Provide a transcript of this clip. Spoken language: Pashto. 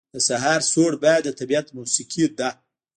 • د سهار سړی باد د طبیعت موسیقي ده.